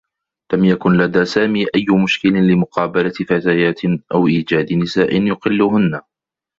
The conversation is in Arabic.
لم يكن لدى سامي أيّ مشكل لمقابلة فتيات أو إيجاد نساء يقلّهنّ.